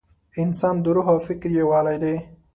انسان د روح او فکر یووالی دی.